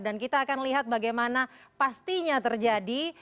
dan kita akan lihat bagaimana pastinya terjadi